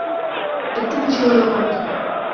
একটু খুশি হলেও পারতে।